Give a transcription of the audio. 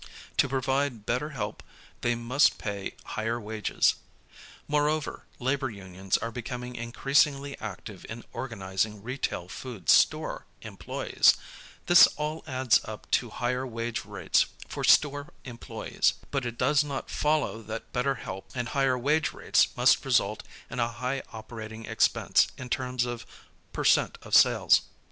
To provide better help they must pay higher wages. Moreover, labor unions are becoming increasingly active in organizing retail food store employes. This all adds up to higher wage rates for store 7 8 SELF SERVICE FOOD STORES employes. But it does not follow that better help and higher wage rates must result in a high operating expense in terms of per cent of sales.